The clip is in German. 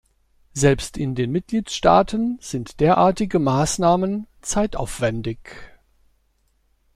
Selbst in den Mitgliedstaaten sind derartige Maßnahmen zeitaufwändig.